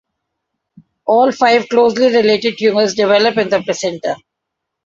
All five closely related tumours develop in the placenta.